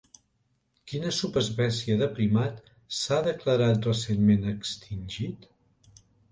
Quina subespècie de primat s'ha declarat recentment extingit?